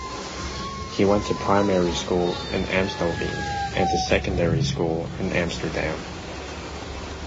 He went to primary school in Amstelveen and to secondary school in Amsterdam.